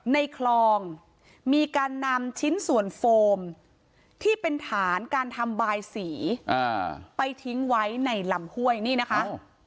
ในคลองมีการนำชิ้นส่วนโฟมที่เป็นฐานการทำบายสีไปทิ้งไว้ในลำห้วยนี่นะคะ